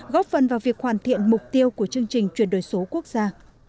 góp phần vào việc hoàn thiện mục tiêu của chương trình chuyển đổi số quốc gia